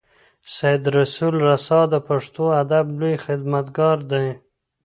سید رسول رسا د پښتو ادب لوی خدمتګار دی.